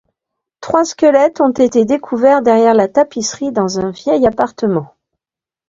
Trois squelettes ont été découverts derrière la tapisserie dans un vieil appartement.